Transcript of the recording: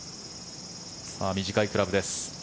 短いクラブです。